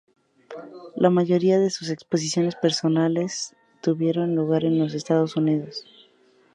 La mayoría de sus exposiciones personales tuvieron lugar en los Estados Unidos.